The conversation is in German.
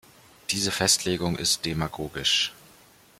Diese Festlegung ist demagogisch.